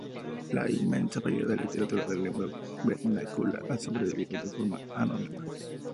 La inmensa mayoría de la literatura en lengua vernácula ha sobrevivido de forma anónima.